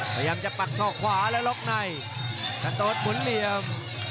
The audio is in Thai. พยายามจะปักศอกขวาและล็อกในสโต๊ดหมุนเหลี่ยม